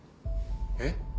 えっ？